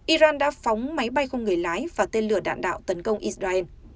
iran đã phóng máy bay không người lái và tên lửa đạn đạo tấn công israel